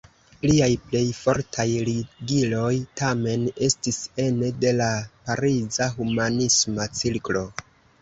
Liaj plej fortaj ligiloj, tamen, estis ene de la pariza humanisma cirklo.